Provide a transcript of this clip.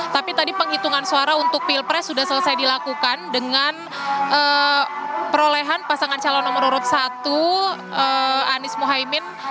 tapi tadi penghitungan suara untuk pilpres sudah selesai dilakukan dengan perolehan pasangan calon nomor urut satu anies mohaimin